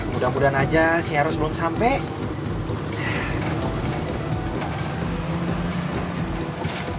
mudah mudahan aja si harus belum sampai